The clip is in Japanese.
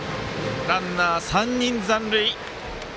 ランナー、３人残塁。